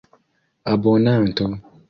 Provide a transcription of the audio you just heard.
abonanto